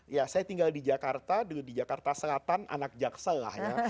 ya saya tinggal di jakarta dulu di jakarta selatan anak jaksel lah ya